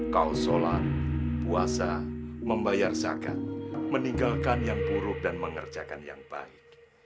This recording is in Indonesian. kau sholat puasa membayar zakat meninggalkan yang buruk dan mengerjakan yang baik